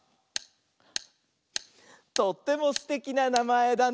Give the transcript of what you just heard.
「とってもすてきななまえだね」